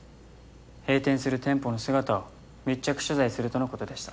閉店する店舗の姿を密着取材するとのことでした。